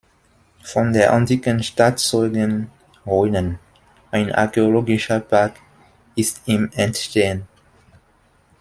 Von der antiken Stadt zeugen Ruinen, ein archäologischer Park ist im Entstehen.